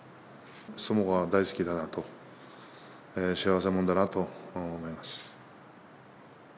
相撲が大好きだなと、幸せ者だなと思います。